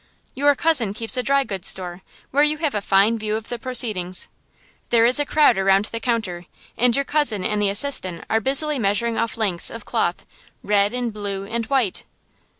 Your cousin keeps a dry goods store, where you have a fine view of the proceedings. There is a crowd around the counter, and your cousin and the assistant are busily measuring off lengths of cloth, red, and blue, and white.